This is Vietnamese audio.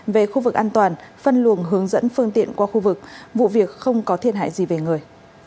về khu vực an toàn phân luồng hướng dẫn phương tiện qua khu vực vụ việc không có thiệt hại gì về người